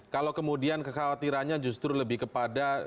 kalau kemudian kekhawatirannya justru lebih kepada